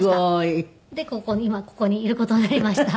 で今ここにいる事になりました。